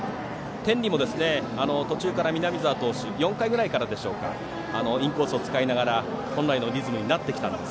天理も途中から南澤投手４回ぐらいからでしょうかインコースを使いながら本来のリズムになってきました。